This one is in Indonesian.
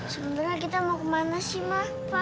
sebenernya kita mau kemana sih ma pa